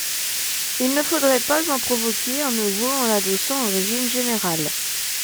Il ne faudrait pas en provoquer un nouveau en l’adossant au régime général.